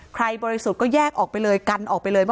บริสุทธิ์ก็แยกออกไปเลยกันออกไปเลย